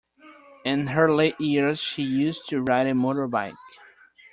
In her later years she used to ride a motorbike